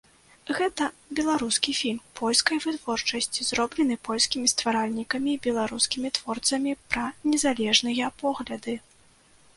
Гэта беларускі фільм польскай вытворчасці, зроблены польскімі стваральнікамі і беларускімі творцамі пра незалежныя погляды.